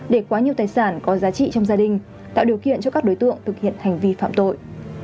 để quá nhiều tài sản có giá trị trong gia đình tạo điều kiện cho các đối tượng thực hiện hành vi phạm tội